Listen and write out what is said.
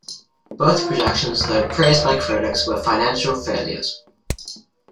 Both productions, though praised by critics, were financial failures.